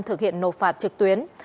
thực hiện nộp phạt trực tuyến